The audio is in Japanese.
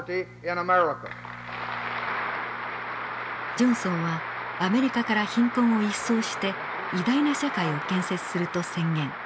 ジョンソンはアメリカから貧困を一掃して偉大な社会を建設すると宣言。